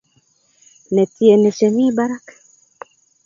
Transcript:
Ne tieni che mi barak.